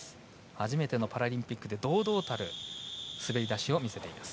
初めてのパラリンピックで堂々たる滑り出しを見せています。